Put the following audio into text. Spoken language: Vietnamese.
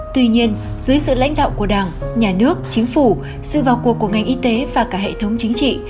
tuy nhiên dưới sự lãnh đạo của đảng nhà nước chính phủ sự vào cuộc của ngành y tế và cả hệ thống chính trị